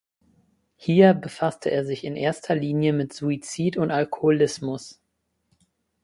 Hier befasste er sich in erster Linie mit Suizid und Alkoholismus.